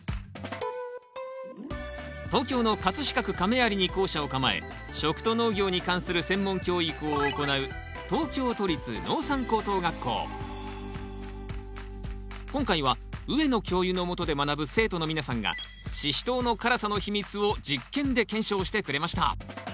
東京の飾区亀有に校舎を構え食と農業に関する専門教育を行う今回は上野教諭のもとで学ぶ生徒の皆さんがシシトウの辛さの秘密を実験で検証してくれました。